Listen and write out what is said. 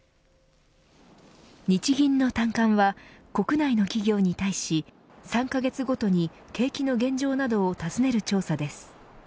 日銀の短観は国内の企業に対し３カ月ごとに、景気の現状などを尋ねる調査です。